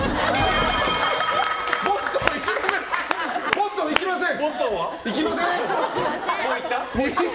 ボストン行きません！